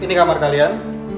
ini kamar kalian